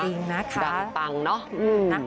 ดังตังเนาะ